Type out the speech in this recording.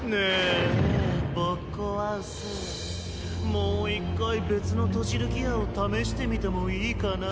もう一回別のトジルギアを試してみてもいいかな？